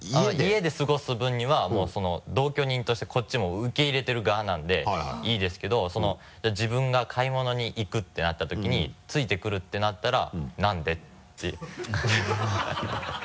家で過ごす分にはもう同居人としてこっちも受け入れてる側なんでいいですけど自分が買い物に行くってなった時に付いてくるってなったら「何で？」って